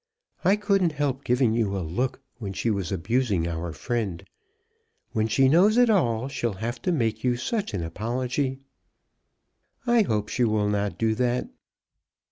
I couldn't help giving you a look when she was abusing our friend. When she knows it all, she'll have to make you such an apology." "I hope she will not do that."